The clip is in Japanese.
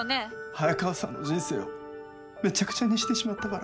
早川さんの人生をめちゃくちゃにしてしまったから。